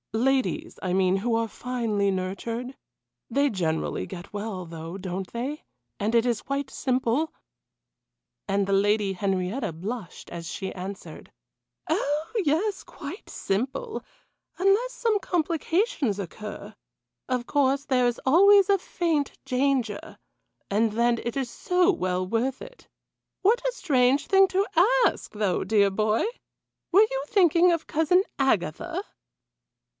Ladies, I mean, who are finely nurtured? They generally get well, though, don't they and it is quite simple " And the Lady Henrietta blushed as she answered: "Oh! yes, quite simple unless some complications occur. Of course there is always a faint danger, but then it is so well worth it. What a strange thing to ask, though, dear boy! Were you thinking of Cousin Agatha?"